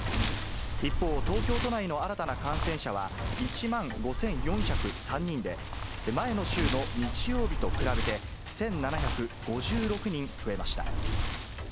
一方、東京都内の新たな感染者は、１万５４０３人で、前の週の日曜日と比べて１７５６人増えました。